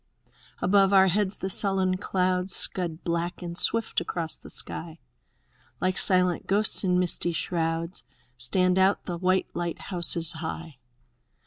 Above our heads the sullen clouds Scud black and swift across the sky; Like silent ghosts in misty shrouds Stand out the white Hghthouses high.